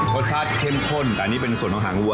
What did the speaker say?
รสชาติเข้มข้นแต่อันนี้เป็นส่วนของหางวัว